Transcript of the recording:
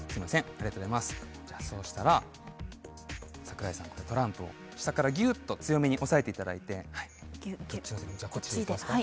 ありがとうございますじゃそうしたら桜井さんトランプを下からギュッと強めに押さえていただいてギュギュじゃこっちでいきますか？